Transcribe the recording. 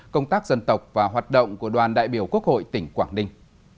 công tác dân tộc và hoạt động của đoàn đại biểu quốc hội tỉnh quảng ninh